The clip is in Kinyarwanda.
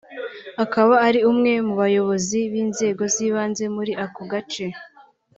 akaba ari umwe mu bayobozi b’inzego z’ibanze muri ako gace